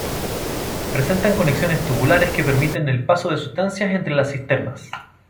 Presentan conexiones tubulares que permiten el paso de sustancias entre las cisternas.